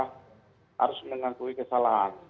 harus mengakui kesalahan